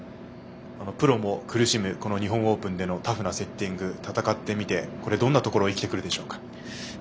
プロも苦しむ日本オープンのタフなセッティング戦ってみて、どんなところが生きてくるでしょうか。